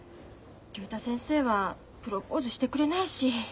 竜太先生はプロポーズしてくれないし迷っちゃって。